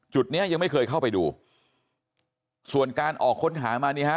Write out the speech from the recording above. เนี้ยยังไม่เคยเข้าไปดูส่วนการออกค้นหามานี่ฮะ